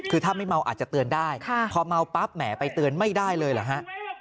คือถ้าไม่เมาอาจจะเตือนได้พอเมาปั๊บแหมไปเตือนไม่ได้เลยเหรอฮะ